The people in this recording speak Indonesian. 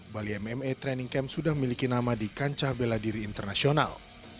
bali mma training camp sudah memiliki nama di kancah bela diri internasional